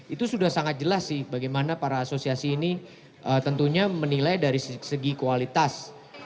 itu sudah sangat jelas sih bagaimana para asosiasi ini tentunya menilai dari segi kualitas